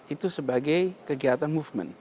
itu sebagai kegiatan movement